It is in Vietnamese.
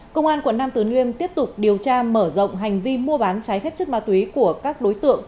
công an quận nam tử liêm tiếp tục điều tra mở rộng hành vi mua bán trái phép chất ma túy của các đối tượng